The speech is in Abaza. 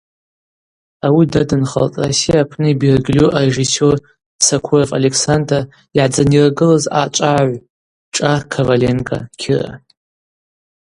Ауи дадынхалтӏ Россия апны йбергьльу арежиссёр Сокуров Александр йгӏадзынйыргылыз аъачӏвагӏагӏв шӏа Коваленко Кира.